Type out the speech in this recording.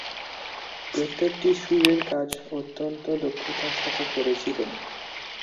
প্রত্যেকটিতে সুরের কাজ অত্যন্ত দক্ষতার সাথে করেছিলেন।